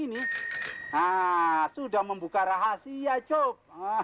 nah sudah membuka rahasia coba